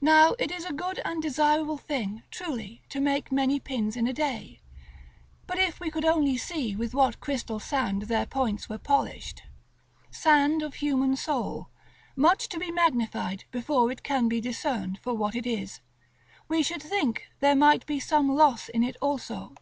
Now it is a good and desirable thing, truly, to make many pins in a day; but if we could only see with what crystal sand their points were polished, sand of human soul, much to be magnified before it can be discerned for what it is, we should think there might be some loss in it also.